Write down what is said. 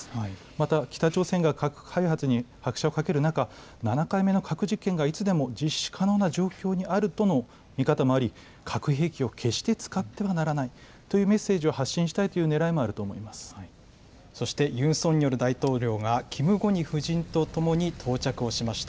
また、北朝鮮が核開発に拍車をかける中、７回目の核実験がいつでも実施可能な状況にあるとの見方もあり、核兵器を決して使ってはならないというメッセージを発信したいとそしてユン・ソンニョル大統領が、キム・ゴニ夫人と共に到着をしました。